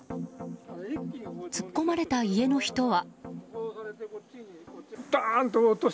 突っ込まれた家の人は。